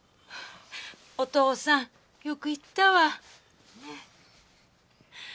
お父さんよく言ったわ。